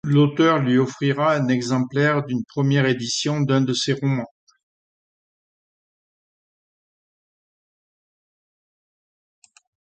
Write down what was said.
L'auteur lui offrira un exemplaire d'une première édition d'un de ses romans.